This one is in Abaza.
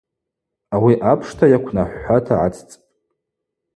Ауи апша йаквнахӏвхӏвата гӏацӏцӏпӏ.